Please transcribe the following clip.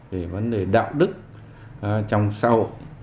về vấn đề đạo đức trong sau